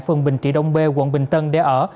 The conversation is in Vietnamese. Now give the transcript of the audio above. phường bình trị đông bê quận bình tân để ở